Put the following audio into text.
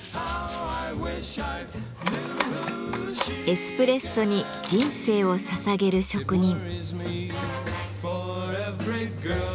「エスプレッソ」に人生をささげる職人。